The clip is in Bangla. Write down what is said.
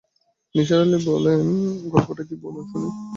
নিসার আলি বললেন, গল্পটা কী বলুন শুনি।